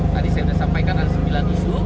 tadi saya sudah sampaikan ada sembilan isu